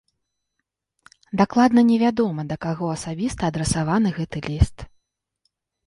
Дакладна невядома да каго асабіста адрасаваны гэты ліст.